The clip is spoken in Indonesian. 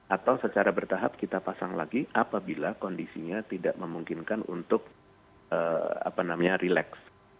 atau secara bertahap kita pasang lagi apabila kondisinya tidak memungkinkan untuk relax